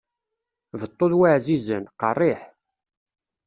Beṭṭu d waɛzizen, qeṛṛiḥ.